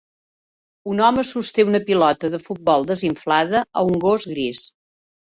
Un home sosté una pilota de futbol desinflada a un gos gris.